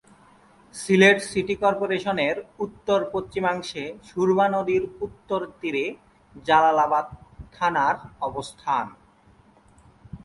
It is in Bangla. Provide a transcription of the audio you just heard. সিলেট সিটি কর্পোরেশনের উত্তর-পশ্চিমাংশে সুরমা নদীর উত্তর তীরে জালালাবাদ থানার অবস্থান।